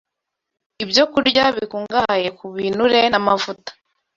ibyo kurya bikungahaye ku binure n’amavuta